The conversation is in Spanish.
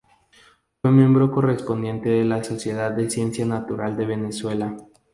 Fue miembro correspondiente de la Sociedad de Ciencia Natural de Venezuela.